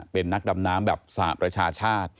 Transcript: เป็นนักดำน้ำแบบสหประชาชาติ